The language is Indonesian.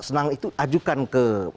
senang itu ajukan ke